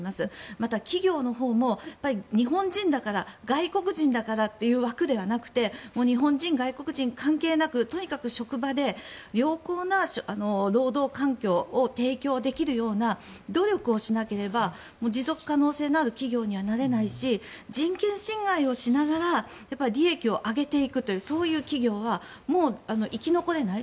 また、企業のほうも日本人だから外国人だからという枠ではなくて日本人、外国人関係なくとにかく職場で良好な労働環境を提供できるような努力をしなければ持続可能性のある企業にはなれないし人権侵害をしながら利益を上げていくというそういう企業はもう生き残れない。